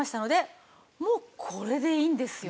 もうこれでいいんですよ。